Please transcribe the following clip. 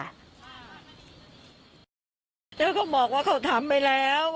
แล้วก็บอกว่าเค้าทำไปแล้ว